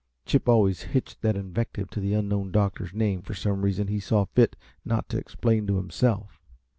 Chip always hitched that invective to the unknown doctor's name, for some reason he saw fit not to explain to himself.